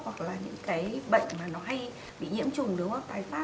hoặc là những cái bệnh mà nó hay bị nhiễm trùng đối hợp tái pháp